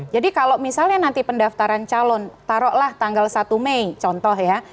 jadi kalau misalnya nanti pendaftaran calon taruhlah tanggal satu mei contoh ya